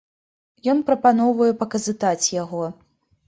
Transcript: Ён прапаноўвае паказытаць яго.